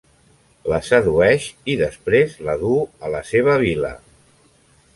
La sedueix, i després la duu a la seva vil·la.